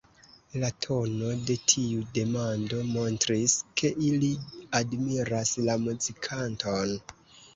La tono de tiu demando montris, ke ili admiras la muzikanton.